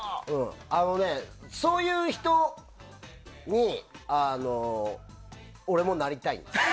あのね、そういう人に俺もなりたい。